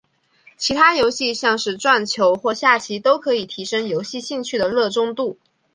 其他游戏像是撞球或下棋都可以提升游戏兴趣的热衷度。